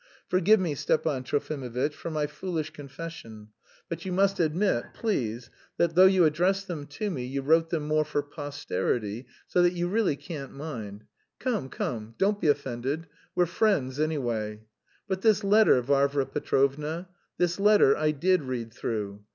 Forgive me, Stepan Trofimovitch, for my foolish confession, but you must admit, please, that, though you addressed them to me, you wrote them more for posterity, so that you really can't mind.... Come, come, don't be offended; we're friends, anyway. But this letter, Varvara Petrovna, this letter, I did read through.